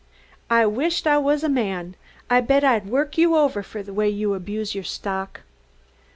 "I wisht I was a man! I bet I'd work you over for the way you abuse your stock!"